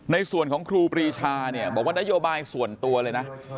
ในส่วนของครูปรีชาเนี่ยบอกว่านโยบายส่วนตัวเลยนะ